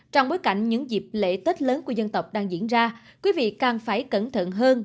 trong bối cảnh những dịp lễ tết lớn của dân tộc đang diễn ra quý vị càng phải cẩn thận hơn